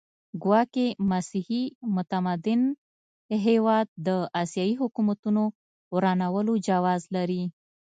ګواکې مسیحي متمدن هېواد د اسیایي حکومتونو ورانولو جواز لري.